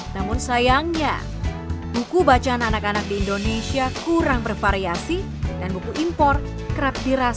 namun sayangnya buku bacaan anak anak di indonesia kurang bervariasi dan buku impor kerap dirasakan